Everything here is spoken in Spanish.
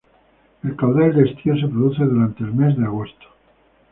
El caudal de estío se produce durante el mes de agosto.